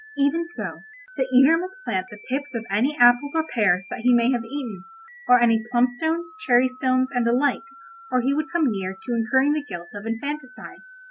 Even so the eater must plant the pips of any apples or pears that he may have eaten, or any plum stones, cherry stones, and the like, or he would come near to incurring the guilt of infanticide.